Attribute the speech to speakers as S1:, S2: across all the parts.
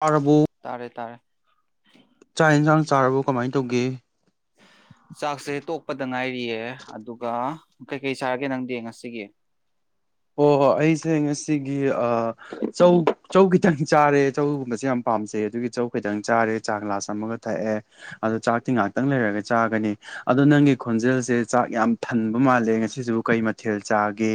S1: ꯆꯥꯔꯕꯣ
S2: ꯇꯥꯔꯦ ꯇꯔꯦ
S1: ꯆꯥꯛ ꯌꯦꯟꯁꯥꯡ ꯆꯥꯔꯕ ꯀꯃꯥꯏꯅ ꯇꯧꯒꯦ
S2: ꯆꯥꯛꯁꯦ ꯇꯣꯛꯄꯗ ꯉꯥꯏꯔꯤꯌꯦ ꯑꯗꯨꯒ ꯀꯩꯀꯩ ꯁꯔꯒꯦ ꯅꯪꯗꯤ ꯉꯁꯤꯒꯤ
S1: ꯑꯣ ꯍꯣꯏ ꯑꯩꯁꯦ ꯉꯁꯤꯒꯤ ꯆꯧ ꯆꯧ ꯈꯤꯇꯪ ꯆꯥꯔꯦ ꯆꯧꯒꯨꯝꯕꯁꯦ ꯌꯥꯝ ꯄꯥꯝꯁꯦ ꯑꯗꯨꯒꯤ ꯏꯆꯧ ꯈꯤꯇꯪ ꯆꯥꯔꯦ ꯆꯥꯛ ꯒ꯭ꯂꯥꯁ ꯑꯃꯒ ꯊꯛꯑꯦ ꯑꯣ ꯆꯥꯛꯇꯤ ꯉꯥꯛꯇꯪ ꯂꯩꯔꯒ ꯆꯥꯒꯅꯤ ꯑꯗꯣ ꯅꯪꯒꯤ ꯈꯣꯟꯖꯦꯜꯁꯦ ꯆꯥꯛ ꯌꯥꯝ ꯊꯟꯕ ꯃꯥꯜꯂꯦ ꯉꯁꯤꯁꯨ ꯀꯩ ꯃꯊꯦꯜ ꯆꯥꯒꯦ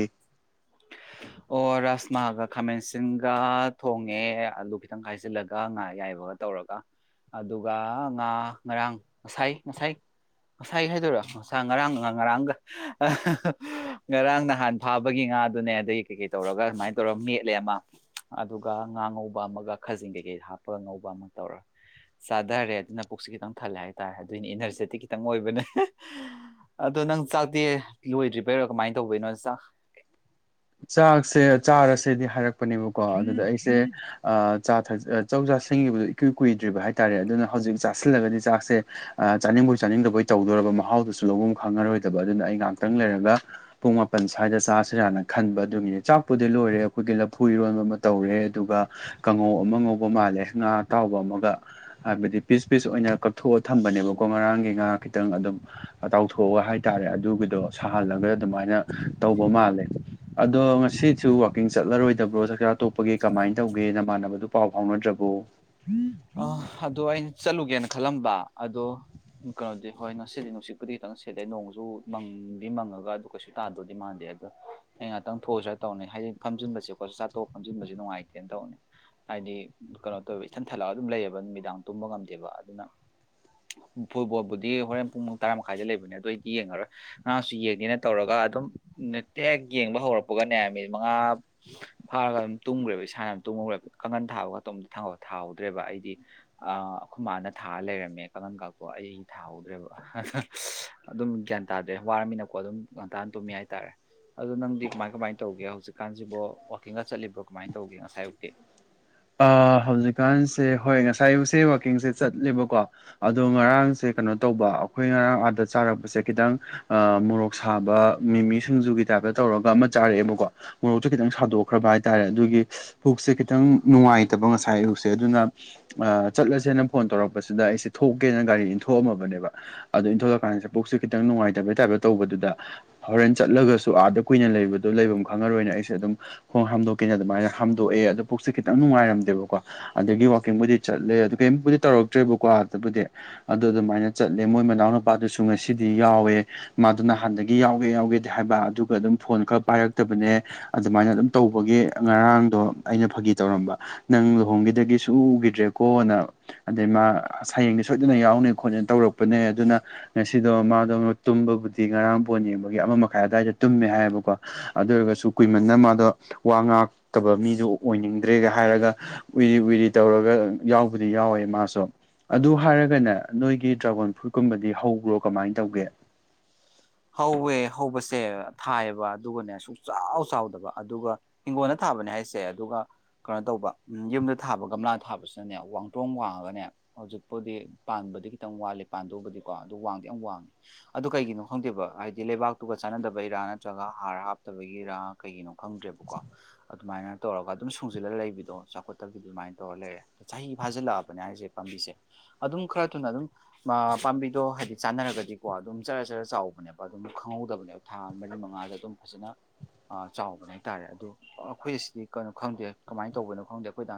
S2: ꯑꯣ ꯔꯥꯁꯃꯥꯒ ꯈꯥꯃꯦꯟꯁꯤꯟꯒ ꯊꯣꯡꯉꯦ ꯑꯂꯨ ꯈꯤꯇꯪ ꯈꯥꯏꯖꯤꯜꯂꯒ ꯉꯥ ꯌꯥꯏꯕꯒ ꯇꯧꯔꯒ ꯑꯗꯨꯒ ꯉꯥ ꯉꯔꯥꯡ ꯉꯁꯥꯏ ꯉꯁꯥꯏ ꯉꯁꯥꯏꯒꯤ ꯍꯥꯏꯗꯣꯏꯔꯣ ꯉꯁꯥ ꯉꯔꯥꯡ ꯉꯔꯥꯡꯒ ꯉꯔꯥꯡ ꯅꯍꯥꯟ ꯐꯥꯕꯒꯤ ꯉ ꯅꯥꯗꯨꯅꯦ ꯑꯗꯒꯤ ꯀꯩ ꯀꯩ ꯇꯧꯔꯒ ꯁꯨꯃꯥꯏꯅ ꯇꯧꯔꯒ ꯃꯦꯠꯂꯦ ꯑꯃ ꯑꯗꯨꯒ ꯉꯥ ꯉꯧꯕ ꯑꯃꯒ ꯈꯥꯖꯤꯡ ꯀꯩꯀꯩ ꯍꯥꯞꯄꯒ ꯉꯧꯕ ꯑꯃ ꯇꯧꯔꯦ ꯆꯥꯊꯔꯦ ꯑꯗꯨꯅ ꯄꯨꯛꯁꯦ ꯈꯤꯇꯪ ꯊꯜꯂꯦ ꯍꯥꯏꯇꯥꯔꯦ ꯑꯗꯨꯏꯅꯤ ꯏꯅꯔꯖꯦꯇꯤ ꯈꯤꯇꯪ ꯑꯣꯏꯕꯅꯦ ꯑꯗꯣ ꯅꯪ ꯆꯥꯛꯇꯦ ꯂꯣꯏꯗ꯭ꯔꯤꯕꯩꯔꯣ ꯀꯃꯥꯏꯅ ꯇꯧꯕꯅꯣ ꯆꯥꯛ
S1: ꯆꯥꯛꯁꯦ ꯆꯥꯔꯁꯦꯗꯤ ꯍꯥꯏꯔꯛꯄ ꯄꯅꯦꯕꯀꯣ ꯑꯗꯨꯗ ꯑꯩꯁꯦ ꯆꯧ ꯆꯥ ꯁꯤꯡꯉꯤꯕꯗꯣ ꯏꯀꯨꯏ ꯀꯨꯏꯗ꯭ꯔꯤꯕ ꯍꯥꯏꯇꯥꯔꯦ ꯑꯗꯨꯅ ꯍꯧꯖꯤ ꯍꯧꯖꯤꯛ ꯆꯥꯁꯤꯜꯂꯒꯗꯤ ꯆꯥꯛꯁꯦ ꯆꯥꯅꯤꯡꯕꯩ ꯆꯥꯅꯤꯡꯗꯕꯩ ꯇꯧꯗꯣꯔꯔꯕ ꯃꯍꯥꯎꯗꯨꯁꯨ ꯂꯧꯕ ꯈꯪꯉꯔꯣꯏꯗꯕ ꯑꯗꯨꯅ ꯑꯩꯅ ꯉꯥꯏꯍꯥꯛꯇꯪ ꯂꯩꯔꯒ ꯄꯨꯡ ꯃꯥꯄꯟ ꯁ꯭ꯋꯥꯏꯗ ꯆꯥꯁꯤꯔꯅ ꯈꯟꯕ ꯑꯗꯨꯒꯤꯅꯦ ꯆꯥꯛꯄꯨꯗꯤ ꯂꯣꯏꯔꯦ ꯑꯩꯈꯣꯏꯒꯤ ꯂꯐꯨ ꯏꯔꯣꯟꯕ ꯑꯃ ꯇꯧꯔꯦ ꯑꯗꯨꯒ ꯀꯥꯡꯉꯧ ꯑꯃ ꯉꯧꯕ ꯃꯥ ꯉꯥ ꯑꯇꯥꯎꯕ ꯑꯃꯒ ꯍꯥꯏꯕꯗꯤ ꯄꯤꯁ ꯄꯤꯁ ꯑꯣꯏꯅ ꯀꯛꯊꯣꯛꯑ ꯊꯝꯕꯅꯦꯕꯀꯣ ꯉꯔꯥꯡꯒꯤ ꯉꯥ ꯈꯤꯇꯪ ꯑꯗꯨꯝ ꯆꯥꯎꯥꯎꯊꯣꯛꯑꯒ ꯍꯥꯏꯇꯥꯔꯦ ꯑꯗꯨꯒꯤꯗꯣ ꯁꯥꯍꯜꯂꯒ ꯑꯗꯨꯃꯥꯏꯅ ꯇꯧꯕ ꯃꯥꯜꯂꯦ ꯑꯗꯣ ꯉꯁꯤꯁꯨ ꯋꯥꯛꯀꯤꯡ ꯆꯠꯂꯔꯣꯏꯗꯕ꯭ꯔꯣ ꯆꯥꯛꯆꯥ ꯇꯣꯞꯄꯒꯤ ꯀꯃꯥꯏꯅ ꯇꯧꯒꯦ ꯅꯃꯥꯟꯅꯕꯗꯨ ꯄꯥꯎ ꯐꯥꯎꯅꯗ꯭ꯔꯕꯣ ꯑꯣ
S2: ꯑ ꯑꯗꯨꯗꯣ ꯑꯩꯅ ꯆꯠꯂꯨꯒꯦꯅ ꯈꯜꯂꯝꯕ ꯑꯗꯣ ꯀꯩꯅꯣꯗꯤ ꯍꯣꯏ ꯅꯨꯡꯁꯤꯠꯂꯤ ꯅꯨꯡꯁꯤꯠꯄꯨꯗꯤ ꯈꯤꯇꯪ ꯁꯤꯠꯂꯦ ꯅꯣꯡꯁꯨ ꯃꯪꯗꯤ ꯃꯪ ꯀꯩ ꯇꯥꯗꯣꯗꯤ ꯃꯥꯟꯗꯦ ꯑ ꯑꯩ ꯉꯥꯛꯇꯪ ꯊꯣꯛꯁꯤꯔꯥ ꯇꯧꯅꯤ ꯍꯥꯏꯗꯤ ꯐꯝꯖꯤꯟꯕꯦ ꯆꯊꯣꯛ ꯐꯝꯟꯕ ꯅꯨꯡꯉꯥꯏꯇꯦ ꯇꯩꯅꯤ ꯍꯥꯏꯗꯤ ꯀꯩꯅꯣ ꯇꯧ ꯟ ꯊꯠꯂꯛꯒ ꯑꯗꯨꯝ ꯂꯩꯌꯦꯕ ꯅꯨꯃꯤꯗꯥꯡ ꯇꯨꯝꯕ ꯉꯝꯗꯦꯕ ꯑꯗꯨꯅ ꯐꯨꯠꯕꯣꯜꯕꯨꯗꯤ ꯍꯣꯔꯦꯟ ꯄꯨꯡ ꯇꯔꯥ ꯃꯈꯥꯏꯗ ꯂꯩꯕꯅꯦ ꯑꯗꯨ ꯑꯩꯗꯤ ꯌꯦꯡꯉꯔꯣꯏ ꯉꯥꯁꯨ ꯌꯦꯡꯒꯦꯅ ꯇꯧꯔꯒ ꯑꯗꯨꯝ ꯇꯦꯛ ꯌꯦꯡꯕ ꯍꯧꯔꯛꯄꯒꯅꯦ ꯃꯤ ꯃꯉꯥ ꯐꯥꯔꯒ ꯑꯗꯨꯝ ꯇꯨꯝꯈ꯭ꯔꯦꯕ ꯏꯁꯥꯅ ꯇ ꯀ ꯀꯥꯡꯒꯟ ꯊꯥꯕꯒꯣꯝ ꯊꯦ ꯭ꯔꯦꯕ ꯑꯩꯗꯤ ꯑ ꯈꯨ ꯃꯥꯅ ꯊꯥꯔ ꯂꯩꯔꯝꯃꯦ ꯀꯥꯡꯉꯟ ꯀꯇꯣ ꯑꯩ ꯊꯥꯍꯧꯗ꯭ꯔꯦꯕ ꯑ ꯑꯗꯨꯝ ꯒ꯭ꯌꯥꯟ ꯇꯥꯗ꯭ꯔꯦ ꯋꯥꯔꯃꯤꯅꯀꯣ ꯑꯗꯨꯝ ꯒ꯭ꯌꯥꯟ ꯇꯥꯅ ꯇꯨꯝꯃꯤ ꯍꯥꯏꯇꯥꯔꯦ ꯑꯗ ꯅꯪꯗꯤ ꯀꯃꯥꯏ ꯀꯃꯥꯏꯅ ꯇꯧꯒꯦ ꯍꯧꯖꯤꯛꯀꯥꯟꯁꯤꯕꯣ ꯋꯥꯋꯀꯤꯡꯒ ꯆꯠꯂꯤꯕ꯭ꯔꯣ ꯀꯃꯥꯏꯅ ꯇꯧꯒꯦ ꯉꯁꯥꯏ ꯍꯧꯛꯇꯤ
S1: ꯑ ꯍꯧꯖꯤꯛꯀꯥꯟꯁꯦ ꯍꯣꯏ ꯉꯁꯥꯏꯁꯦ ꯋꯥꯛꯀꯤꯡꯁꯦ ꯆꯠꯂꯤꯦꯕꯀꯣ ꯑꯗꯣ ꯉꯔꯥꯡꯁꯦ ꯀꯩꯅꯣ ꯇꯧꯕ ꯑꯩꯈꯣꯏ ꯉꯔꯥꯡ ꯑꯥꯗ ꯆꯥꯔꯛꯄꯁꯦ ꯈꯤꯇꯪ ꯃꯣꯔꯣꯛ ꯁꯥꯕ ꯃꯤꯃꯤꯁꯤꯡꯖꯨ ꯈꯤꯇꯪ ꯞ ꯇꯧꯔꯒ ꯑꯃ ꯆꯥꯔꯛꯑꯦꯕꯀꯣ ꯃꯣꯔꯣꯛꯁꯦ ꯈꯤꯇꯪ ꯁꯥꯗꯣꯛꯈ꯭ꯔꯕ ꯍꯥꯏꯇꯥꯔꯦ ꯑꯗꯨꯒꯤ ꯄꯨꯛꯁꯦ ꯈꯤꯇꯪ ꯅꯨꯡꯉꯥꯏꯇꯕ ꯉꯁꯥꯏ ꯑꯌꯨꯁꯦ ꯑꯗꯨꯅ ꯆꯠꯂꯁꯦꯅ ꯐꯣꯟ ꯇꯧꯔꯛꯄꯁꯤꯗ ꯑꯩꯁꯦ ꯊꯣꯛꯀꯦꯅ ꯒꯥꯔꯤꯅꯤ ꯏꯟꯊꯣꯛꯑꯝꯃꯕꯅꯦꯕ ꯑꯗꯣ ꯏꯟꯊꯣꯛꯂꯛꯑꯀꯥꯟꯗꯁꯦ ꯄꯨꯛꯁꯦ ꯈꯤꯇꯪ ꯅꯨꯡꯉꯥꯏꯇꯕꯩ ꯇꯥꯏꯞꯇ ꯇꯧꯕꯗꯨꯗ ꯍꯣꯔꯦꯟ ꯆꯠꯂꯒꯁꯨ ꯁꯨ ꯑꯥꯗ ꯀꯨꯏꯅ ꯂꯩꯕꯗꯣ ꯂꯩꯐꯝ ꯈꯪꯉꯔꯣꯏꯅ ꯑꯩꯁꯦ ꯑꯗꯨꯝ ꯈꯣꯡ ꯍꯥꯝꯗꯣꯛꯀꯦꯅ ꯑꯗꯨꯃꯥꯏꯅ ꯍꯥꯝꯗꯣꯛꯑꯦ ꯑꯗꯨ ꯁꯦ ꯈꯤꯇꯪ ꯅꯨꯡꯉꯥꯏꯔꯝꯗꯦꯕꯀꯣ ꯑꯗꯒꯤ ꯋꯥꯋꯥꯛꯀꯤꯡꯕꯨꯗꯤ ꯆꯠꯂꯦ ꯑꯗꯨ ꯀꯩꯝꯕꯨꯗꯤ ꯇꯧꯔꯛꯇ꯭ꯔꯦꯕꯀꯣ ꯍꯥꯛꯛꯇꯕꯨꯗꯤ ꯑꯗꯨ ꯑꯗꯨꯃꯥꯏꯅ ꯆꯠꯂꯦ ꯃꯣꯏ ꯃꯅꯥꯎ ꯅꯨꯨꯄꯥꯗꯨꯁꯨ ꯉꯁꯤꯗꯤ ꯌꯥꯎꯋꯦ ꯃꯥꯗꯨ ꯅꯍꯥꯟꯗꯒꯤ ꯌꯥꯎꯒꯦ ꯌꯥꯎꯒꯦꯗꯤ ꯍꯥꯏ ꯑꯗꯨꯒ ꯑꯗꯨꯝ ꯐꯣꯟ ꯈ ꯄꯥꯏꯔꯛꯇꯕꯅꯦ ꯑꯗꯨꯃꯥꯏꯅ ꯑꯗꯨꯝ ꯇꯧꯕꯒꯤ ꯉꯔꯥꯡꯗꯣ ꯑꯩꯅ ꯐꯥ ꯇꯧꯔꯝꯕ ꯅꯪ ꯂꯨꯍꯣꯡꯒꯤꯗꯒꯤ ꯁꯨꯈꯤꯗ꯭ꯔꯦꯀꯣꯅ ꯑꯗꯩ ꯃꯥ ꯁꯌꯦꯡꯗ ꯁꯣꯏꯗꯅ ꯌꯥꯎ ꯅ ꯈꯣꯠꯅ ꯇꯧꯔꯛꯄꯅꯦ ꯑꯗꯨꯅ ꯉꯁꯤꯗꯣ ꯃꯥꯗꯣ ꯇꯨꯝꯕꯕꯨꯗꯤ ꯉꯔꯥꯡ ꯄꯣꯟ ꯌꯦꯡꯕꯒꯤ ꯑꯃ ꯃꯈ ꯨꯝꯃꯦ ꯍꯥꯏꯕꯀꯣ ꯑꯗꯨ ꯑꯣꯏꯔ ꯀꯨ ꯋꯥ ꯉꯇꯕ ꯃꯤ ꯑꯣꯏꯅꯤꯡ ꯇ꯭ꯔꯦꯒ ꯍꯥꯏꯔꯒ ꯎꯏꯔꯤ ꯎꯏꯔꯤ ꯇꯧꯔꯒ ꯌꯥꯎꯕꯗꯤ ꯌꯥꯎꯋꯦ ꯃꯥꯁꯨ ꯑꯗꯨ ꯍꯥꯏꯔꯒꯅ ꯅꯣꯏꯒꯤ ꯗ꯭ꯔꯥꯒꯣꯟ ꯐ꯭ꯔꯨꯏꯠꯀꯨꯝꯕꯗꯤ ꯍꯧꯕ꯭ꯔꯣ ꯀꯃꯥꯏꯅ ꯇꯧꯒꯦ
S2: ꯍꯧꯋꯦ ꯍꯧꯕꯁꯦ ꯊꯥꯏꯑꯕ ꯑꯗꯨꯒꯅꯦ ꯁꯨꯡꯛꯆꯥꯎ ꯆꯥꯎꯗꯕ ꯑꯗꯨꯒ ꯍꯤꯡꯒꯣꯜꯅ ꯊꯥꯕꯅꯦ ꯍꯥꯏꯁꯦ ꯑꯗꯨꯒ ꯀꯩꯅꯣ ꯇꯧꯕ ꯎ ꯌꯨꯝꯗ ꯊꯥꯕ ꯒꯝꯂꯥꯗ ꯊꯥꯕꯁꯤꯅꯅꯦ ꯋꯥꯡꯇꯣꯡ ꯋꯥꯡꯉꯒꯅꯦ ꯍꯧꯖꯤꯛꯄꯨꯗꯤ ꯈꯤꯇꯪ ꯋꯥꯂꯦ ꯄꯥꯟꯗꯧꯕꯗꯤꯣ ꯑ ꯋꯥꯡꯗꯤ ꯌꯥꯝ ꯋꯥꯡꯉꯤ ꯑꯣ ꯀꯩꯒꯤꯅꯣ ꯈꯪꯗꯦꯕ ꯍꯥꯏꯗꯤ ꯂꯩꯕꯥꯛꯇꯨꯒ ꯆꯥꯟꯅꯗꯕꯒꯤꯔꯥ ꯅꯠꯇ꯭ꯔꯒ ꯍꯥꯔ ꯍꯥꯞꯇꯕꯒꯤꯔꯥ ꯀꯩꯒꯤꯅꯣ ꯈꯪꯗ꯭ꯔꯦꯕꯀꯣ ꯑꯗꯨ ꯑꯗꯨꯃꯥꯏꯅ ꯇꯧꯔꯒ ꯑꯗꯨꯝ ꯁꯨꯡꯁꯤꯜꯂꯒ ꯂꯩꯕꯤꯗꯣ ꯆꯥꯎꯈꯠꯇꯕꯒꯤ ꯑꯗꯨꯃꯥꯏꯅ ꯇꯧꯔ ꯂꯩꯔꯦ ꯑ ꯆꯍꯤ ꯐꯥꯖꯤꯜꯂꯛꯑꯕꯅꯦ ꯍꯥꯏꯁꯦ ꯄꯝꯕꯤꯁꯦ ꯑꯗꯨꯝ ꯈꯔ ꯊꯨꯅ ꯑꯗꯨꯝ ꯄꯥꯝꯕꯤꯗꯣ ꯍꯥꯏꯗꯤ ꯆꯥꯟꯅꯔꯒꯗꯤꯀꯣ ꯑꯗꯨꯝ ꯆꯔ ꯆꯔ ꯆꯥꯎꯕꯅꯦꯕ ꯑꯗꯨꯝ ꯈꯪꯍꯧꯗꯕꯅꯦꯕ ꯊꯥ ꯃꯔꯤ ꯃꯉꯥꯗ ꯑꯗꯨꯝ ꯐꯖꯅ ꯆꯥꯎꯕꯅꯦ ꯍꯥꯏꯇꯥꯔꯦ ꯑꯗꯨꯗꯣ ꯑꯩꯈꯣꯏ ꯑꯁꯤꯗꯤ ꯀꯩꯅꯣ ꯈꯪꯗꯦ ꯀꯃꯥꯏꯅ ꯇꯧꯕꯅꯣ ꯈꯪꯗꯦ ꯑꯩꯈꯣꯏꯗ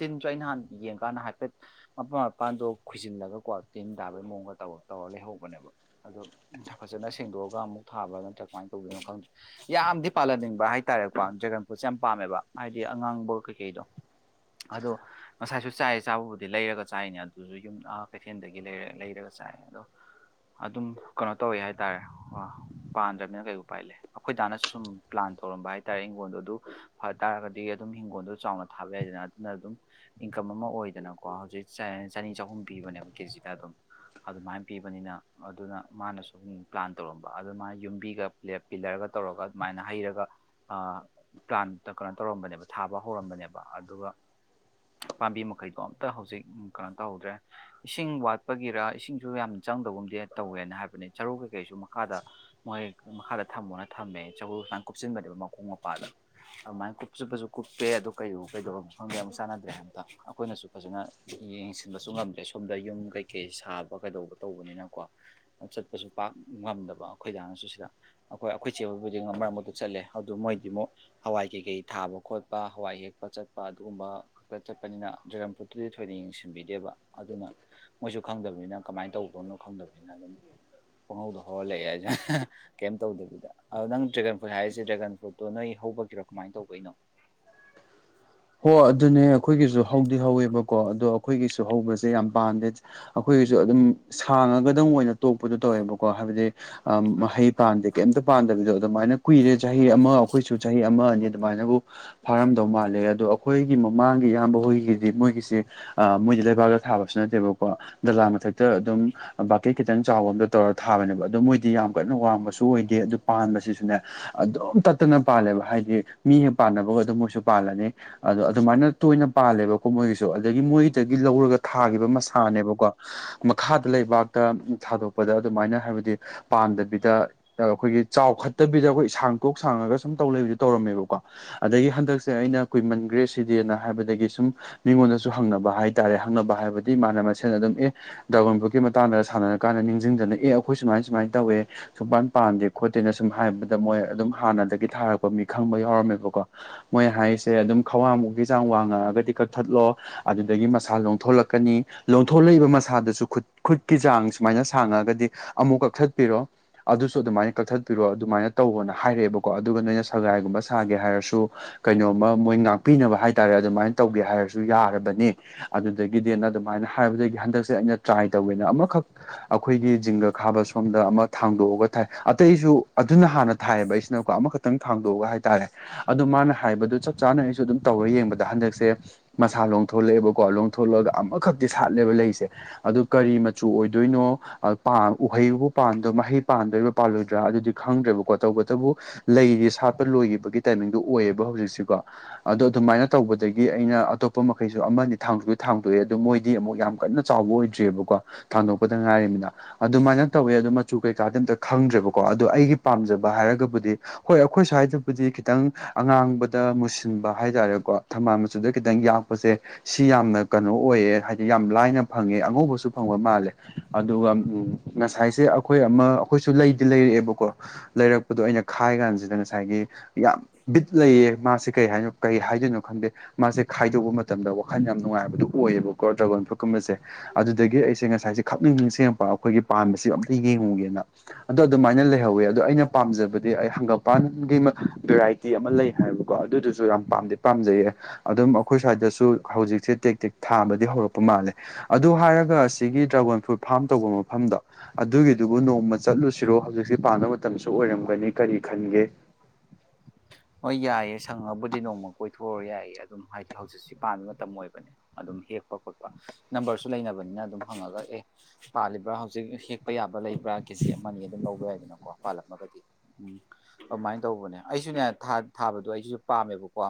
S2: ꯍꯤꯟ ꯑ ꯅꯍꯥꯟ ꯌꯦꯡꯀꯥꯟꯗ ꯍꯥꯏꯐꯦꯠ ꯃꯄꯥꯟ ꯃꯄꯥꯟꯗꯣ ꯈꯣꯏꯖꯤꯜꯂꯒꯀꯣ ꯇꯤꯟ ꯇꯥꯕꯒꯤ ꯃꯑꯣꯡꯗ ꯇꯧꯔ ꯇꯧꯔꯂꯦ ꯍꯧꯕꯅꯦꯕ ꯑꯗꯣ ꯐꯖꯅ ꯁꯦꯡꯗꯣꯛꯑꯒ ꯑꯃꯨꯛ ꯊꯥꯕ꯭ꯔꯥ ꯅꯠꯇ꯭ꯔꯥ ꯀꯃꯥꯏꯅ ꯇꯧꯗꯣꯏꯅꯣ ꯈꯪꯗꯦ ꯌꯥꯝꯗꯤ ꯄꯥꯜꯍꯟꯅꯤꯡꯕ ꯍꯥꯏꯇꯥꯔꯦ ꯖꯒꯟ ꯐꯨꯠꯁꯦ ꯌꯥꯝ ꯄꯥꯝꯃꯦꯕ ꯍꯥꯏꯗꯤ ꯑꯉꯥꯡꯕ ꯀꯩꯀꯩꯗꯣ ꯑꯗꯣ ꯉꯁꯥꯏꯁꯨ ꯆꯥꯏ ꯆꯥꯕꯕꯨꯗꯤ ꯂꯩꯔꯒ ꯆꯥꯏꯅꯦ ꯑꯗꯨꯁꯨ ꯌꯨꯝ ꯀꯩꯊꯦꯜꯗꯒꯤ ꯂꯩꯔ ꯂꯩꯔꯒ ꯑꯗꯣ ꯑꯗꯨꯝ ꯀꯩꯅꯣ ꯇꯧꯋꯤ ꯍꯥꯏꯇꯥꯔꯦ ꯑꯣ ꯄꯥꯟꯗ꯭ꯔꯕꯅꯤꯅ ꯀꯩꯒꯨꯝ ꯄꯥꯏ ꯂꯩ ꯑꯩꯈꯣꯏ ꯇꯥꯅꯁꯨ ꯁꯨꯝ ꯄ꯭ꯂꯥꯟ ꯇꯧꯔꯝꯕ ꯍꯥꯏꯇꯥꯔꯦ ꯍꯤꯡꯒꯣꯜꯗꯣ ꯑꯗꯨ ꯐ ꯇꯥꯔꯒꯗꯤ ꯑꯗꯨꯝ ꯍꯤꯡꯒꯣꯜꯗꯣ ꯆꯥꯎꯅ ꯊꯥꯕ ꯌꯥꯏꯗꯅ ꯑꯗꯨꯅ ꯑꯗꯨꯝ ꯏꯟꯀꯝ ꯑꯃ ꯑꯣꯏꯗꯅ ꯀꯣ ꯍꯧꯖꯤꯛ ꯆꯅꯤ ꯆꯍꯨꯝ ꯄꯤꯕꯅꯦꯕ ꯀꯦꯖꯤꯗ ꯑꯗꯨꯝ ꯑꯗꯨꯃꯥꯏꯅ ꯄꯤꯕꯅꯤꯅ ꯑꯗꯨꯅ ꯃꯥꯅ ꯁꯨꯝ ꯄ꯭ꯂꯥꯟ ꯇꯧꯔꯝꯕ ꯑꯗꯨ ꯃꯥꯅ ꯌꯨꯝꯕꯤꯒ ꯄꯤꯂꯔꯒ ꯇꯧꯔꯒ ꯑꯗꯨꯃꯥꯏꯅ ꯍꯩꯔꯒ ꯄ꯭ꯂꯥꯟ ꯀꯩꯅꯣ ꯇꯧꯔꯝꯕꯅꯦꯕ ꯊꯥꯕ ꯍꯧꯔꯝꯕꯅꯦꯕ ꯑꯗꯨꯒ ꯄꯥꯝꯕꯤ ꯃꯈꯩꯗꯣ ꯑꯝꯇ ꯍꯧꯖꯤꯛ ꯀꯩꯅꯣ ꯇꯧꯍꯧꯗ꯭ꯔꯦ ꯏꯁꯤꯡ ꯋꯥꯠꯄꯒꯤꯔ ꯏꯁꯤꯡꯁꯨ ꯌꯥꯝ ꯆꯪꯗꯒꯨꯝꯗꯤ ꯇꯧꯋꯦꯅ ꯍꯥꯏꯕꯅꯤ ꯆꯔꯨ ꯀꯩꯀꯩꯁꯨ ꯃꯈꯥꯗ ꯃꯣꯏ ꯃꯈꯥꯗ ꯊꯝꯃꯣꯅ ꯊꯝꯃꯦ ꯆꯒꯨ ꯁꯨꯃꯥꯏꯅ ꯀꯨꯞꯁꯤꯟꯕꯅꯦꯕ ꯃꯈꯣꯡ ꯃꯄꯥꯗ ꯑꯗꯨꯃꯥꯏꯅ ꯀꯨꯞꯁꯤꯟꯄꯁꯨ ꯀꯨꯞꯇꯦ ꯑꯗꯨꯣ ꯀꯩꯣꯀꯩꯗꯧꯕ ꯃꯐꯝꯒ ꯌꯥꯝꯨꯛ ꯆꯥꯟꯅꯗ꯭ꯔꯦ ꯑꯝꯇ ꯑꯩꯈꯣꯏꯅꯁꯨ ꯐꯖꯅ ꯌꯦꯡꯁꯤꯟꯕꯁꯨ ꯉꯝꯗ꯭ꯔꯦ ꯁꯣꯝꯗ ꯌꯨꯝ ꯀꯩꯀꯩ ꯁꯥꯕ ꯀꯩꯗꯧꯕ ꯇꯧꯕꯅꯤꯅꯀꯣ ꯆꯠꯄꯁꯨ ꯄꯥꯛ ꯉꯝꯗꯕ ꯑꯩꯈꯣꯏꯗꯥꯅꯁꯨ ꯁꯤꯗ ꯑꯩꯈꯣꯏ ꯑꯩꯈꯣꯏ ꯆꯦꯕꯕꯨꯗꯤ ꯃꯔꯝ ꯃꯔ ꯆꯠꯂꯦ ꯑꯗꯨ ꯃꯣꯏꯗꯤ ꯃꯨꯛ ꯍꯋꯥꯏ ꯀꯩꯀꯩ ꯊꯥꯕ ꯈꯣꯠꯄ ꯍꯋꯥꯏ ꯍꯦꯛꯄ ꯆꯠꯄ ꯑꯗꯨꯒꯨꯝꯕ ꯈꯛꯇ ꯆꯠꯄꯅꯤꯅ ꯗ ꯐꯨꯠꯇꯨꯗꯤ ꯊꯣꯏꯅ ꯌꯦꯡꯁꯤꯟꯕꯤꯗꯦꯕ ꯑꯗꯨꯅ ꯃꯣꯏꯁꯨ ꯈꯪꯗꯕꯅꯤꯅ ꯀꯃꯥꯏꯅ ꯇꯧꯗꯣꯏꯅꯣ ꯈꯪꯗꯕꯅꯤꯅ ꯑꯗꯨꯝ
S1: ꯎ
S2: ꯄꯨꯡꯍꯧꯗꯣ ꯍꯧꯔꯂꯛꯑꯦ ꯍꯥꯏꯁꯦ ꯀꯩꯝ ꯇꯧꯗꯕꯤꯗ ꯑꯗ ꯅꯪ ꯗ꯭ꯔꯦꯒꯟ ꯐ꯭ꯔꯨꯠ ꯍꯥꯏꯔꯤꯁꯦ ꯗ꯭ꯔꯦꯒꯟ ꯐ꯭ꯔꯨꯠꯇꯣ ꯅꯣꯏ ꯍꯧꯕ ꯔꯥ ꯀꯃꯥꯏꯅ ꯇꯧꯕꯩꯅꯣ
S1: [unintelligible] ꯍꯣ ꯑꯗꯨꯅꯦ ꯑꯩꯈꯣꯏꯒꯤꯁꯨ ꯍꯧꯗꯤ ꯍꯧꯋꯦꯕꯀꯣ ꯑꯗꯣ ꯑꯩꯈꯣꯏꯒꯤꯁꯨ ꯍꯧꯕꯁꯦ ꯌꯥꯝ ꯄꯥꯝꯗꯦ ꯑꯩꯈꯣꯏ ꯑꯩꯈꯣꯏꯒꯤꯁꯨ ꯑꯗꯨꯝ ꯁꯥꯡꯉꯒꯗꯪ ꯑꯣꯏꯅ ꯇꯣꯛꯄꯗꯣ ꯇꯧꯋꯦꯕꯀꯣ ꯍꯥꯏꯕꯗꯤ ꯃꯍꯩ ꯄꯥꯟꯗꯦ ꯀꯩꯝꯇ ꯄꯥꯟꯗꯕꯤꯗꯣ ꯑꯗꯨꯃꯥꯏꯅ ꯀꯨꯏꯔꯦ ꯆꯍꯤ ꯑꯃ ꯑꯩꯈꯣꯏꯁꯨ ꯆꯍꯤ ꯑꯃ ꯑꯅꯤ ꯑꯗꯨꯃꯥꯏꯅꯕꯨ ꯐꯥꯔꯝꯗꯧ ꯃꯥꯜꯂꯦ ꯑꯗꯣ ꯑꯩꯈꯣꯏꯒꯤ ꯃꯃꯥꯡꯒꯤ ꯏꯌꯥꯝꯕ ꯍꯨꯣꯏꯒꯤꯗꯤ ꯃꯣꯏꯒꯤꯁ ꯃꯣꯏꯗꯤ ꯂꯩꯕꯥꯛꯇ ꯊꯥꯕꯁꯨ ꯅꯠꯇꯦꯕꯀꯣ ꯃꯊꯛꯇ ꯑꯗꯨꯝ ꯕꯥꯀꯦꯠ ꯈꯤꯇꯪ ꯆꯥꯎꯕ ꯑ ꯑꯃꯗ ꯇꯧꯔꯒ ꯊꯥꯕꯅꯦꯕ ꯑꯗꯨꯣ ꯃꯣꯏꯗꯤ ꯌꯥꯝ ꯀꯟꯅ ꯋꯥꯡꯕꯁꯨ ꯑꯣꯏꯗꯦ ꯄꯥꯟꯕꯁꯤꯁꯨꯅꯦ ꯑꯗꯨꯝ ꯇꯠꯇꯅ ꯄꯥꯜꯂꯦꯕ ꯍꯥꯏꯗꯤ ꯃꯤ ꯍꯦꯛ ꯄꯥꯟꯅꯕꯒ ꯑꯗꯨꯝ ꯃꯣꯏꯁꯨ ꯄꯥꯜꯂꯅꯤ ꯑꯗꯣ ꯑꯗꯨꯃꯥꯏꯅ ꯇꯣꯏꯅ ꯄꯥꯜꯂꯦꯕꯀꯣ ꯃꯣꯏꯒꯤꯁꯨ ꯑꯗꯨꯗꯒꯤ ꯃꯣꯏꯗꯒꯤ ꯂꯧꯔꯒ ꯊꯥꯈꯤꯕ ꯃꯁꯥꯅꯦꯕꯀꯣ ꯃꯈꯥꯗ ꯂꯩꯕꯥꯛꯇ ꯊꯥꯗꯣꯛꯄꯗ ꯑꯗꯨꯃꯥꯏꯅ ꯍꯥꯏꯕꯗꯤ ꯄꯥꯝꯗꯕꯤꯗ ꯑꯩꯈꯣꯏꯒꯤ ꯆꯥꯎꯈꯠꯇꯕꯤꯗ ꯑꯩꯈꯣꯏ ꯏꯁꯥꯡ ꯇꯣꯛ ꯁꯥꯡꯉꯒ ꯁꯨꯝ ꯇꯧ ꯂꯩ ꯇꯧꯔꯝꯃꯦꯕꯀꯣ ꯑꯗꯒꯤ ꯍꯟꯗꯛꯁꯦ ꯑꯩꯅ ꯀꯨꯏꯃꯟꯈ꯭ꯔꯦ ꯁꯤꯗꯦꯅ ꯍꯥꯏꯕꯗꯒꯤ ꯁꯨꯝ ꯃꯤꯉꯣꯟꯗꯁꯨ ꯍꯪꯅꯕ ꯍꯥꯏꯇꯥꯔꯦ ꯍꯪꯅꯕ ꯍꯥꯏꯕꯗꯤ ꯃꯥꯅ ꯃꯁꯦꯟ ꯑꯗꯨꯝ ꯑꯦ ꯗ꯭ꯔꯥꯒꯣꯟ ꯕꯨꯞꯀꯤ ꯃꯇꯥꯡꯗ ꯁꯥꯟꯅꯔꯀꯥꯟꯗ ꯅꯤꯡꯁꯤꯡꯗꯅ ꯑꯦ ꯑꯩꯈꯣꯏ ꯁꯨꯃꯥꯏꯅ ꯁꯨꯃꯥꯏꯅ ꯇꯧꯋꯦ ꯁꯨꯄꯥꯟ ꯄꯥꯟꯗꯦ ꯈꯣꯠꯇꯦꯅ ꯁꯨꯝ ꯍꯥꯏꯕꯗ ꯃꯣꯏ ꯑꯗꯨꯝ ꯍꯥꯟꯅꯗꯒꯤ ꯊꯥꯔꯛꯄ ꯃꯤ ꯈꯪꯕ ꯌꯥꯎꯔꯝꯃꯦꯕꯀꯣ ꯃꯣꯏ ꯍꯥꯏꯔꯤꯁ ꯑꯗꯨꯝ ꯈ꯭ꯋꯥꯡꯃꯨꯛ ꯆꯥꯡ ꯋꯥꯡꯉꯛꯑꯒ ꯀꯛꯊꯠꯂꯣ ꯑꯗꯨꯗꯒꯤ ꯃꯁꯥꯊꯣꯛꯂꯛꯀꯅꯤꯊ ꯂꯛꯏꯕ ꯃꯁꯥꯗꯁꯨ ꯈꯨꯠ ꯈꯨꯠꯀꯤ ꯆꯥꯡ ꯁꯨꯃꯥꯏꯅ ꯁꯥꯡꯉꯒꯗꯤ ꯑꯃꯨꯛ ꯀꯛꯊꯠꯄꯤꯔꯣ ꯑꯗꯨꯁꯨ ꯑꯗꯨꯃꯥꯏꯅ ꯀꯛꯊꯠꯄꯤꯔꯣ ꯑꯗꯨꯃꯥꯏꯅ ꯇꯧꯋꯣꯅ ꯍꯥꯏꯔꯛꯑꯦꯕꯥꯀꯣ ꯑꯗꯨꯒ ꯅꯣꯏꯅ ꯁꯒꯥꯏꯒꯨꯝꯕ ꯁꯥꯒꯦ ꯍꯥꯏꯔꯁꯨ ꯀꯩꯅꯣꯝꯃ ꯃꯣꯏ ꯉꯥꯛꯄꯤꯅꯕ ꯍꯥꯏꯇꯥꯔꯦ ꯑꯗꯨꯃꯥꯏꯅ ꯇꯧꯒꯦ ꯍꯥꯏꯔꯁꯨ ꯌꯥꯔꯕꯅꯤ ꯑꯗꯨꯗꯒꯤꯗꯤꯅ ꯑꯗꯨꯃꯥꯏꯅ ꯍꯥꯏꯕꯗꯒꯤ ꯍꯟꯗꯛꯁꯦ ꯑꯩꯅ ꯇ꯭ꯔꯥꯏ ꯇꯧꯒꯦꯅ ꯑꯃꯈꯛ ꯑꯩꯈꯣꯏꯒꯤ ꯖꯤꯡꯒ ꯈꯥꯕ ꯁꯣꯝꯗ ꯑꯃ ꯊꯥꯡꯗꯣꯛꯑꯒ ꯊꯥꯏ ꯑꯇꯩꯁꯨ ꯑꯗꯨꯅ ꯍꯥꯟꯅ ꯊꯥꯏꯌꯦꯕ ꯑꯩꯁꯤꯅꯀꯣ ꯑꯃꯈꯛꯇꯪ ꯊꯥꯡꯗꯣꯛꯑꯒ ꯍꯥꯏꯇꯥꯔꯦ ꯑꯗꯨ ꯃꯥꯅ ꯍꯥꯏꯕꯗꯨ ꯆꯠ ꯆꯞ ꯆꯥꯅ ꯑꯩꯁꯨ ꯑꯗꯨꯝ ꯇꯧꯔꯒ ꯌꯦꯡꯕꯗ ꯍꯟꯗꯛꯁꯦ ꯃꯁꯥ ꯂꯣꯡꯊꯣꯛꯂꯛꯑꯦꯕꯀꯣ ꯂꯣꯡꯊꯣꯛꯂꯛꯑꯒ ꯑꯃꯈꯛꯇꯤ ꯁꯥꯠꯂꯦꯕ ꯂꯩꯁꯦ ꯑꯗꯨ ꯀꯔꯤ ꯃꯆꯨ ꯑꯣꯏꯗꯣꯏꯅꯣ ꯎꯍꯩꯕꯨ ꯄꯥꯟꯗꯣꯏ ꯃꯍꯩ ꯄꯥꯟꯗꯣꯏꯕ ꯄꯥꯟꯂꯣꯏꯗꯣꯏꯕ ꯂꯣꯏꯗ꯭ꯔꯥ ꯑꯗꯨꯗꯤ ꯈꯪꯗ꯭ꯔꯦꯕꯀꯣ ꯇꯧꯕꯇꯕꯨ ꯂꯩꯗꯤ ꯁꯥꯠꯄ ꯂꯣꯏꯈꯤꯕꯒꯤ ꯇꯥꯏꯃꯤꯡꯗꯣ ꯑꯣꯏꯌꯦꯕ ꯍꯧꯖꯤꯛꯁꯦꯀꯣ ꯑꯗꯣ ꯑꯗꯨꯃꯥꯏꯅ ꯇꯧꯕꯗꯒꯤ ꯑꯩꯅ ꯑꯇꯣꯞꯄ ꯃꯈꯩꯁꯨ ꯑꯃꯅꯤ ꯊꯥꯡꯁꯨ ꯊꯥꯡꯗꯣꯛꯑꯦ ꯑꯗꯣ ꯃꯣꯏꯗꯤ ꯑꯃꯨꯛ ꯌꯥꯝ ꯀꯟꯅ ꯌꯥꯝ ꯀꯟꯅ ꯆꯥꯎꯕ ꯑꯣꯏꯗ꯭ꯔꯤꯌꯦꯕꯀꯣ ꯊꯥꯡꯗꯣꯛꯄꯗ ꯉꯥꯏꯔꯤꯃꯤꯅ ꯑꯗꯨꯃꯥꯏꯅ ꯇꯧꯋꯦ ꯑꯗꯣ ꯃꯆꯨ ꯀꯩꯀꯥꯗꯤ ꯑꯝꯇ ꯈꯪꯗ꯭ꯔꯦꯕ ꯑꯗꯣ ꯑꯩꯒꯤ ꯄꯥꯝꯖꯕ ꯍꯥꯏꯔꯒꯕꯨꯗꯤ ꯍꯣꯏ ꯑꯩꯈꯣꯏ ꯁ꯭ꯋꯥꯏꯗꯕꯨꯗꯤ ꯈꯤꯇꯪ ꯑꯉꯥꯡꯕꯗ ꯃꯨꯁꯤꯟꯕ ꯍꯥꯏꯇꯥꯔꯦꯀꯣ ꯊꯝꯕꯥꯜ ꯃꯆꯨꯗ ꯈꯤꯇꯪ ꯌꯥꯛꯄꯁꯦ ꯁꯤ ꯌꯥꯝꯅ ꯀꯩꯅꯣ ꯑꯣꯏꯌꯦ ꯍꯥꯏꯗꯤ ꯌꯥꯝ ꯂꯥꯏꯅ ꯐꯪꯉꯦ ꯑꯉꯧꯕꯁꯨ ꯐꯪꯕ ꯃꯥꯜꯂꯦ ꯑꯗꯨꯒ ꯉꯁꯥꯏꯁꯦ ꯑꯩꯈꯣꯏ ꯑꯃ ꯑꯩꯈꯣꯏꯁꯨ ꯂꯩꯗꯤ ꯂꯩ ꯂꯩꯔꯛꯑꯦꯕꯀꯣ ꯂꯩꯔꯛꯄꯗꯣ ꯑꯩꯅ ꯈꯥꯏ ꯀꯥꯟꯁꯤꯗ ꯉꯁꯥꯏꯒꯤ ꯌꯥꯝ ꯕꯤꯠ ꯂꯩꯌꯦ ꯃꯥꯁꯦ ꯀꯩ ꯍꯥꯏꯅꯣ ꯀꯩ ꯍꯥꯏꯗꯣꯏꯅꯣ ꯈꯪꯗꯦ ꯃꯥꯁꯦ ꯈꯥꯏꯗꯣꯛꯄ ꯃꯇꯝꯗ ꯋꯥꯈꯜ ꯌꯥꯝ ꯅꯨꯡꯉꯥꯏꯕꯗꯣ ꯑꯣꯏꯌꯦꯕꯀꯣ ꯗ꯭ꯔꯒꯟ ꯐ꯭ꯔꯨꯠꯀꯨꯝꯅ ꯑꯗꯨꯗꯒꯤ ꯑꯩꯁꯦ ꯉꯁꯥꯏꯁꯦ ꯈꯪꯅꯤꯡ ꯅꯤꯡꯁꯤꯡꯉꯛꯄ ꯑꯩꯈꯣꯏꯒꯤ ꯄꯥꯟꯕꯁꯦ ꯑꯝꯇ ꯌꯦꯡꯉꯨꯒꯦꯅ ꯑꯗꯣ ꯑꯗꯨꯃꯥꯏꯅ ꯂꯩꯍꯧꯋꯦ ꯑꯗꯣ ꯑꯩꯅ ꯄꯥꯝꯖꯕꯗꯤ ꯑꯩ ꯍꯪꯒꯞꯄꯥꯟꯒꯤ ꯚꯦꯔꯥꯏꯇꯤ ꯑꯃ ꯂꯩ ꯍꯥꯏꯕꯀꯣ ꯑꯗꯨꯗꯨꯁꯨ ꯌꯥꯝ ꯄꯥꯝꯗꯤ ꯄꯥꯝꯖꯩꯌꯦ ꯑꯗꯨꯝ ꯑꯩꯈꯣꯏ ꯁ꯭ꯋꯥꯏꯗꯁꯨ ꯍꯧꯖꯤꯛꯁꯦ ꯇꯦꯛ ꯇꯦꯛ ꯊꯥꯕꯗꯤ ꯍꯧꯔꯛꯄ ꯃꯥꯜꯂꯦ ꯑꯗꯨ ꯍꯥꯏꯔꯒ ꯑꯁꯤꯒꯤ ꯗ꯭ꯔꯥꯒꯣꯟ ꯐ꯭ꯔꯨꯠ ꯐꯥꯔꯝ ꯇꯧꯕ ꯃꯐꯝꯗꯣ ꯑꯗꯨꯒꯤꯗꯨꯕꯨ ꯅꯣꯡꯃ ꯆꯠꯂꯨꯁꯤꯔꯣ ꯍꯧꯖꯤꯛꯁꯦ ꯄꯥꯟꯕ ꯃꯇꯝꯁꯨ ꯑꯣꯏꯔꯝꯒꯅꯤ ꯀꯔꯤ ꯈꯟꯒꯦ
S2: ꯍꯣꯏ ꯌꯥꯏꯌꯦ ꯁꯪꯉꯥꯕꯨꯗꯤ ꯅꯣꯡꯃ ꯀꯣꯏꯊꯣꯛꯎ ꯌꯥꯏꯌꯦ ꯑꯗꯨꯝ ꯍꯥꯏꯗꯤ ꯍꯧꯖꯤꯛꯁꯤ ꯄꯥꯟꯕ ꯃꯇꯝ ꯑꯣꯏꯕꯅꯦ ꯑꯗꯨꯝ ꯍꯦꯛ ꯍꯦꯛꯄ ꯈꯣꯠꯄ ꯅꯝꯕꯔꯁꯨ ꯂꯩꯅꯕꯅꯤꯅ ꯑꯗꯨꯝ ꯍꯪꯉꯥꯒ ꯑꯦ ꯄꯥꯜꯂꯤꯕ꯭ꯔꯥ ꯍꯧꯖꯤꯛ ꯍꯦꯛꯄ ꯌꯥꯕ ꯂꯩꯕ꯭ꯔ ꯀꯦꯖꯤ ꯑꯃꯅꯤ ꯑꯗꯨꯝ ꯂꯧꯕ ꯌꯥꯏꯗꯅꯀꯣ ꯄꯥꯜꯂꯝꯃꯒꯗꯤ ꯎꯝ ꯑꯗꯨꯃꯥꯏꯅ ꯇꯧꯕꯅꯦ ꯑꯩꯁꯨꯅꯦ ꯊꯥꯕꯗꯣ ꯑꯩꯁꯨ ꯄꯥꯝꯃꯦꯕꯀꯣ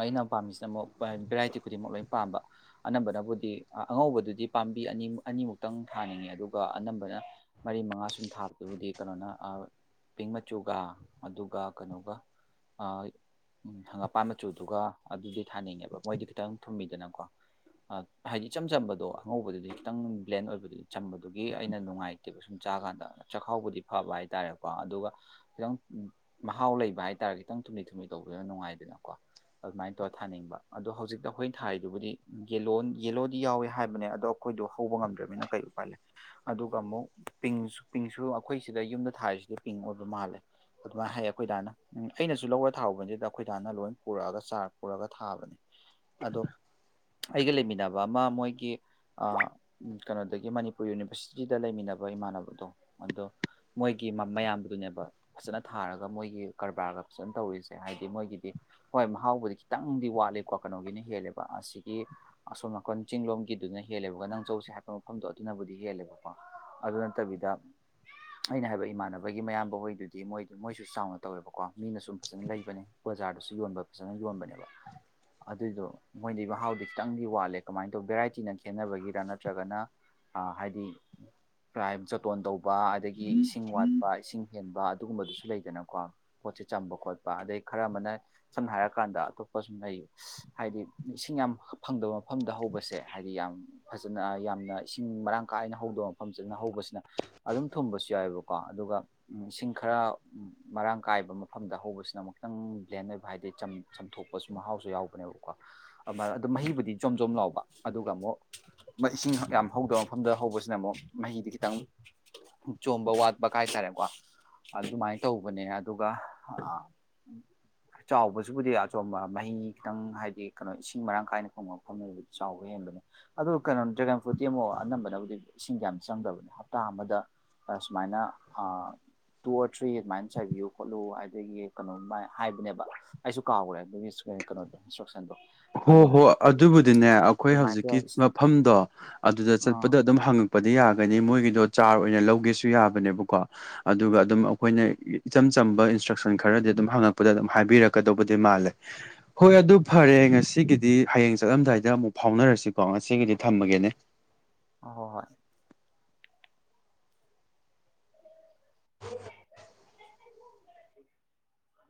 S2: ꯑꯩꯅ ꯄꯥꯝꯃꯤꯁꯤꯅ ꯑꯃꯨꯛ ꯚꯦꯔꯥꯏꯇꯤ ꯈꯨꯗꯤꯡꯃꯛ ꯂꯣꯏꯅ ꯄꯥꯝꯕ ꯑꯅꯝꯕꯅꯕꯨꯗꯤ ꯑꯉꯧꯕꯗꯨꯗꯤ ꯄꯥꯝꯗꯦ ꯄꯥꯝꯕꯤ ꯑꯅꯤ ꯑꯅꯤꯃꯨꯛꯇꯪ ꯊꯥꯅꯤꯡꯉꯦ ꯑꯗꯨꯒ ꯑꯅꯝꯕꯅ ꯃꯔꯤ ꯃꯉꯥ ꯁꯨꯝ ꯊꯥꯕꯗꯨꯕꯨꯗꯤ ꯀꯩꯅꯣꯅ ꯄꯤꯡ ꯃꯆꯨꯒ ꯑꯗꯨꯒ ꯀꯩꯅꯣꯒ ꯎꯝ ꯍꯪꯒꯥꯞꯄꯥꯟ ꯃꯆꯨꯗꯨꯒ ꯑꯗꯨꯗꯤ ꯊꯥꯅꯤꯡꯉꯦꯕ ꯃꯣꯏꯗꯤ ꯈꯤꯇꯪ ꯊꯨꯝꯃꯤꯗꯥꯅꯀꯣ ꯍꯥꯏꯗꯤ ꯏꯆꯝ ꯆꯝꯕꯗꯣ ꯑꯉꯧꯕꯗꯨꯗꯤ ꯈꯤꯇꯪ ꯕ꯭ꯂꯦꯟ ꯑꯣꯏꯕꯗꯨꯗꯤ ꯆꯝꯕꯗꯨꯒꯤ ꯑꯩꯅ ꯅꯨꯡꯉꯥꯏꯇꯦꯕ ꯆꯥꯀꯥꯟꯗ ꯆꯥꯛꯈꯥꯎꯕꯨꯗꯤ ꯐꯕ ꯍꯥꯏꯇꯥꯔꯦꯀꯣ ꯑꯗꯨꯒ ꯈꯤꯇꯪ ꯃꯍꯥꯎ ꯂꯩꯕ ꯍꯥꯏꯇꯥꯔꯗꯤ ꯈꯤꯇꯪ ꯊꯨꯝꯂꯤ ꯊꯨꯝꯂꯤ ꯇꯧꯕꯗꯨꯅ ꯅꯨꯡꯉꯥꯏꯗꯅꯀꯣ ꯑꯗꯨꯃꯥꯏꯅ ꯇꯧꯔ ꯊꯥꯅꯤꯡꯕ ꯑꯗꯣ ꯍꯧꯖꯤꯛꯇ ꯑꯩꯈꯣꯏꯅ ꯊꯥꯔꯤꯗꯨꯕꯨꯗꯤ ꯌꯦꯂꯣꯗꯤ ꯌꯥꯎꯋꯦ ꯍꯥꯏꯕꯅꯦ ꯑꯗꯣ ꯑꯩꯈꯣꯏ ꯑꯩꯈꯣꯏꯗꯣ ꯍꯧꯕ ꯉꯝꯗ꯭ꯔꯕꯅꯤꯅ ꯀꯔꯤ ꯎꯄꯥꯏ ꯂꯩ ꯑꯗꯨꯒ ꯑꯃꯨꯛ ꯄꯤꯡ ꯄꯤꯡꯁꯨ ꯑꯩꯈꯣꯏꯁꯤꯗ ꯌꯨꯝꯗ ꯊꯥꯔꯤꯁꯦ ꯄꯤꯡ ꯑꯣꯏꯕ ꯃꯥꯜꯂꯦ ꯑꯗꯨꯃꯥꯏꯅ ꯍꯥꯏꯌꯦ ꯑꯩꯈꯣꯏ ꯗꯥꯅ ꯎꯝ ꯑꯩꯅꯁꯨ ꯂꯧꯔ ꯊꯥꯍꯧꯕ ꯅꯠꯇꯦꯗ ꯑꯩꯈꯣꯏ ꯗꯥꯅ ꯂꯣꯏ ꯄꯨꯔꯛꯑꯒ ꯆꯥꯔ ꯄꯨꯔꯛꯑꯒ ꯊꯥꯕꯅꯦ ꯑꯗꯣ ꯑꯩꯒ ꯂꯩꯃꯤꯟꯅꯕ ꯑꯃ ꯃꯣꯏꯒꯤ ꯀꯩꯅꯣꯗꯒꯤ ꯃꯅꯤꯄꯨꯔ ꯌꯨꯅꯤꯚꯔꯁꯤꯇꯤꯗ ꯂꯩꯃꯤꯟꯅꯕ ꯏꯃꯥꯟꯅꯕꯗꯣ ꯑꯗꯣ ꯃꯣꯏꯒꯤ ꯃꯌꯥꯝꯕꯗꯨꯅꯦꯕ ꯐꯖꯅ ꯊꯥꯔꯒ ꯃꯣꯏꯒꯤ ꯀꯔꯕꯥꯔꯒ ꯐꯖꯅ ꯇꯧꯔꯤꯁꯦ ꯍꯥꯏꯗꯤ ꯃꯣꯏꯒꯤꯗꯤ ꯍꯣꯏ ꯃꯍꯥꯎꯕꯗꯤ ꯈꯤꯇꯪꯗꯤ ꯋꯥꯠꯂꯤꯀꯣ ꯀꯩꯅꯣꯒꯤꯅ ꯍꯦꯜꯂꯦꯕ ꯑꯁꯤꯒꯤ ꯑꯁꯣꯝ ꯅꯥꯀꯟ ꯆꯤꯡꯂꯣꯝꯒꯤꯗꯨꯅ ꯍꯦꯜꯂꯦꯕꯒ ꯅꯪ ꯆꯠꯂꯨꯁꯦ ꯍꯥꯏꯕ ꯃꯐꯝꯗꯣ ꯑꯗꯨꯅꯕꯨꯗꯤ ꯍꯦꯜꯂꯦꯕꯥꯀꯣ ꯑꯗꯨ ꯅꯠꯇꯕꯤꯗ ꯑꯩꯅ ꯍꯥꯏꯕ ꯏꯃꯥꯟꯅꯕꯒꯤ ꯃꯌꯥꯝꯕ ꯍꯣꯏꯗꯨꯗꯤ ꯃꯣꯏ ꯃꯣꯏꯁꯨ ꯆꯥꯎꯅ ꯇꯧꯋꯦꯕꯀꯣ ꯃꯤꯅ ꯁꯨ ꯐꯖꯅ ꯂꯩꯕꯅꯦ ꯕꯖꯥꯔꯗꯁꯨ ꯌꯣꯟꯕ ꯐꯖꯅ ꯌꯣꯟꯕꯅꯦꯕ ꯑꯗꯨꯏꯗꯣ ꯃꯣꯏꯗꯤ ꯃꯍꯥꯎꯗꯤ ꯈꯤꯇꯪꯗꯤ ꯋꯥꯠꯂꯦ ꯀꯃꯥꯏꯅ ꯇꯧꯕ ꯚꯦꯔꯥꯏꯇꯤꯅ ꯈꯦꯠꯅꯕꯒꯤꯔ ꯅꯠꯇ꯭ꯔꯒꯅ ꯑ ꯍꯥꯏꯗꯤ ꯀꯥꯏ ꯖꯣꯇꯣꯟ ꯇꯧꯕ ꯑꯗꯒꯤ ꯏꯁꯤꯡ ꯋꯥꯠꯄ ꯏꯁꯤꯡ ꯍꯦꯟꯕ ꯑꯗꯨꯒꯨꯝꯕꯗꯨꯁꯨ ꯂꯩꯗꯅꯀꯣ ꯄꯣꯠꯁꯦ ꯆꯝꯕ ꯈꯣꯠꯄ ꯑꯗꯩ ꯈꯔ ꯑꯃꯅ ꯁꯝꯅ ꯍꯥꯏꯔꯀꯥꯟꯗ ꯑꯇꯣꯞꯄ ꯁꯨꯝ ꯂꯩ ꯍꯥꯏꯗꯤ ꯏꯁꯤꯡ ꯌꯥꯝ ꯐꯪꯗꯕ ꯃꯐꯝꯗ ꯍꯧꯕꯁꯦ ꯍꯥꯏꯗꯤ ꯌꯥꯝ ꯐꯖꯅ ꯌꯥꯝꯅ ꯏꯁꯤꯡ ꯃꯔꯥꯡ ꯀꯥꯏꯅ ꯍꯧꯗꯕ ꯃꯐꯝ ꯁꯤꯅ ꯍꯧꯕꯁꯤꯅ ꯑꯗꯨꯝ ꯊꯨꯝꯕꯁꯨ ꯌꯥꯏꯑꯦꯕꯀꯣ ꯑꯗꯨꯒ ꯏꯁꯤꯡ ꯈꯔ ꯃꯔꯥꯡ ꯀꯥꯏꯕ ꯃꯐꯝꯗ ꯍꯧꯕꯁꯤꯅ ꯑꯃꯨꯛꯇꯪ ꯕ꯭ꯂꯦꯟ ꯑꯣꯏꯕ ꯍꯥꯏꯕꯗꯤ ꯆꯝꯕ ꯆꯝꯊꯣꯛꯄꯁꯨ ꯃꯍꯥꯎꯁꯨ ꯌꯥꯎꯕꯅꯦꯕ ꯑꯗꯨꯃꯅ ꯑꯗꯨ ꯃꯍꯤꯕꯨꯗꯤ ꯖꯣꯝ ꯖꯣꯝ ꯂꯥꯎꯕ ꯑꯗꯨꯒ ꯑꯃꯨꯛ ꯏꯁꯤꯡ ꯌꯥꯝ ꯍꯧꯗꯕ ꯃꯐꯝꯗ ꯍꯧꯕꯁꯤꯅ ꯑꯃꯨꯛ ꯃꯍꯤꯗꯤ ꯈꯤꯇꯪ ꯆꯣꯝꯕ ꯋꯥꯠꯄ ꯀꯥꯏꯇꯥꯔꯦꯀꯣ ꯑꯗꯨꯃꯥꯏꯅ ꯇꯧꯕꯅꯦ ꯑꯗꯨꯒ ꯆꯥꯎꯕꯁꯤꯕꯨꯗꯤ ꯑꯆꯣꯝꯕ ꯃꯍꯤ ꯈꯤꯇꯪ ꯍꯥꯏꯗꯤ ꯀꯩꯅꯣ ꯏꯁꯤꯡ ꯃꯔꯥꯡ ꯀꯥꯏꯅ ꯐꯪꯕ ꯃꯐꯝ ꯑꯣꯏꯕꯨꯗꯤ ꯆꯥꯎꯕ ꯍꯦꯟꯅ ꯑꯗꯨ ꯀꯩꯅꯣ ꯗ꯭ꯔꯦꯒꯟ ꯐ꯭ꯔꯨꯠꯇꯤ ꯑꯃꯨꯛ ꯑꯅꯝꯕꯅꯕꯨꯗꯤ ꯏꯁꯤꯡ ꯀ ꯌꯥꯝ ꯆꯪꯗꯕꯅꯦ ꯍꯞꯇꯥ ꯑꯃꯗ ꯁꯨꯃꯥꯏꯅ ꯇꯨꯋ ꯐ꯭ꯔꯤ ꯑꯗꯨꯃꯥꯏꯅ ꯆꯥꯏꯕꯤꯌꯨ ꯈꯣꯠꯂꯨ ꯑꯗꯒꯤ ꯀꯩꯅꯣꯝꯃ ꯍꯥꯏꯕꯅꯦꯕ ꯑꯩꯁꯨ ꯀꯥꯎꯈ꯭ꯔꯦ ꯑꯗꯨꯒꯤ ꯀꯩꯅꯣꯗꯣ ꯏꯟꯁꯇ꯭ꯔꯛꯁꯟꯗꯨ
S1: ꯍꯣ ꯍꯣ ꯑꯗꯨꯕꯨꯗꯤꯅꯦ ꯑꯩꯈꯣꯏ
S2: ꯑꯗꯨꯃꯥꯏꯅ
S1: ꯍꯧꯖꯤꯛꯀꯤ
S2: ꯏꯁꯤꯡ
S1: ꯃꯐꯝꯗꯣ ꯑꯗꯨꯗ
S2: ꯑꯥ
S1: ꯆꯠꯄꯗ ꯑꯗꯨꯝ ꯍꯪꯉꯛ ꯄꯗꯤ ꯌꯥꯒꯅꯤ ꯃꯣꯏꯒꯤꯗꯣ ꯆꯥꯔ ꯑꯣꯏꯅ ꯂꯧꯒꯦꯁꯨ ꯌꯥꯕꯅꯦꯕꯀꯣ ꯑꯗꯨꯒ ꯑꯗꯨꯝ ꯑꯩꯈꯣꯏꯅ ꯏꯆꯝ ꯆꯝꯕ ꯏꯟꯁꯇ꯭ꯔꯛꯁꯟ ꯈꯔꯗꯤ ꯑꯗꯨꯝ ꯍꯪꯉꯛꯄꯗ ꯑꯗꯨꯝ ꯍꯥꯏꯕꯤꯔꯛꯀꯗꯧꯕꯗꯤ ꯃꯥꯜꯂꯦ ꯍꯣꯏ ꯑꯗꯨ
S2: ꯎꯝ
S1: ꯐꯔꯦ ꯑꯩ ꯉꯁꯤ ꯁꯤꯒꯤꯗꯤ ꯍꯌꯦꯡ ꯆꯠꯂꯝꯗꯥꯏꯗ ꯑꯃꯨꯛ ꯐꯥꯎꯅꯔꯁꯤꯀꯣ ꯉꯁꯤꯒꯤꯗꯤ ꯊꯝꯃꯒꯦꯅꯦ
S2: ꯑ ꯍꯣꯏ
S1: ꯍ
S2: [unintelligible]